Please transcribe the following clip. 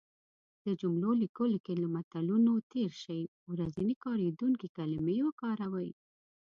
د جملو لیکلو کې له متلونو تېر شی. ورځنی کارېدونکې کلمې وکاروی